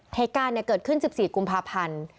เหตุการณ์เกิดขึ้น๑๔กุมภาพันธ์